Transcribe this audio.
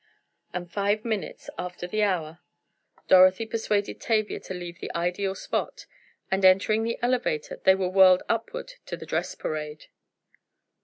And five minutes after the hour, Dorothy persuaded Tavia to leave the ideal spot, and, entering the elevator, they were whirled upward to the dress parade.